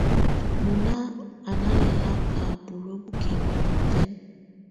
Mɔnà à na lɛ̀laka buluǝ́ bukimǝ niɔ̀fɛna.